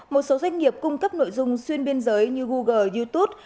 một số doanh nghiệp cung cấp nội dung xuyên biên giới như google youtube